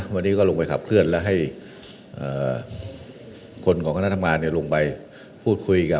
วันนี้ก็ลงไปขับเคลื่อนและให้คนของคณะทำงานลงไปพูดคุยกัน